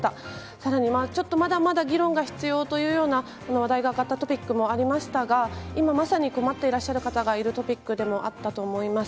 さらに、ちょっとまだまだ議論が必要というような話題が上がったトピックもありましたが、今まさに困っていらっしゃる方がいるトピックでもあったと思います。